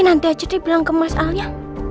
nanti aja dia bilang ke mas alia